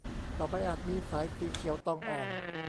ต่อไปอาจมีสายสีเขียวตองอ่อน